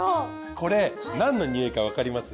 これ何の匂いかわかります？